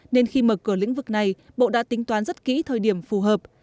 nên khi mở cửa lĩnh vực này bộ đã tính toán rất kỹ thời điểm phù hợp